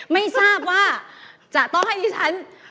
ไม่ทราบว่าจะต้องให้ดิฉัน